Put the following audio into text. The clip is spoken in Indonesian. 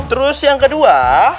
terus yang kedua